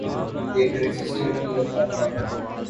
ایک رجسٹر بھی رکھا تھا۔